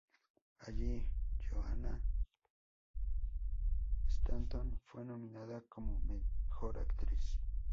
Allí, Johanna Stanton fue nominada como "Mejor Actriz".